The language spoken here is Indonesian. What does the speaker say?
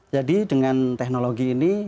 jadi dengan teknologi ini